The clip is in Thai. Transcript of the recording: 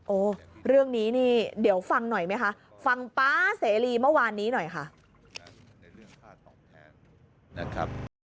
โอ้เรื่องนี้นี่เดี๋ยวฟังหน่อยไหมคะฟังป๊าเสรีเมื่อวานนี้หน่อยค่ะ